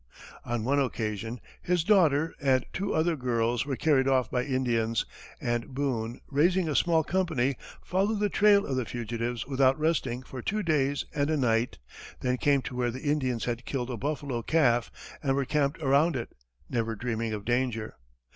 On one occasion, his daughter and two other girls were carried off by Indians, and Boone, raising a small company, followed the trail of the fugitives without resting for two days and a night; then came to where the Indians had killed a buffalo calf and were camped around it, never dreaming of danger.